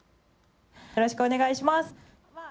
よろしくお願いします。